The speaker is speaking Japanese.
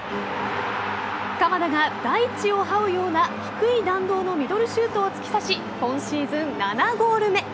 鎌田が大地をはうような低い弾道のミドルシュートを突き刺し今シーズン７ゴール目。